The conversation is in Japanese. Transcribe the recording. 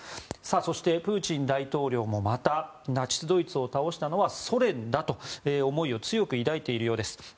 そしてプーチン大統領もまた、ナチスドイツを倒したのはソ連だという思いを強く抱いているようです。